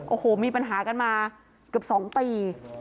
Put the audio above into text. โอ้โหมีปัญหากันมาเกือบ๒ปี